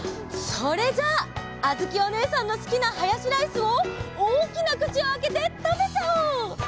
それじゃああづきおねえさんのすきなハヤシライスをおおきなくちをあけてたべちゃおう！